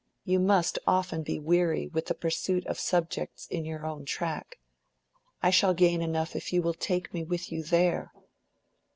You must often be weary with the pursuit of subjects in your own track. I shall gain enough if you will take me with you there."